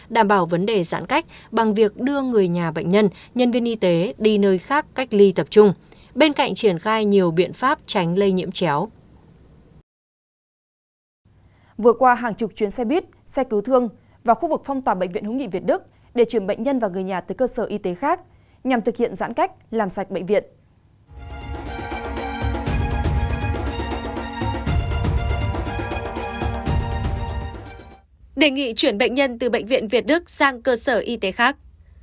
đề nghị chuyển bệnh nhân từ bệnh viện việt đức sang cơ sở y tế khác